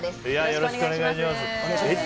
よろしくお願いします。